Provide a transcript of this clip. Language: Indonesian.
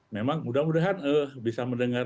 memang mudah mudahan bisa mendengar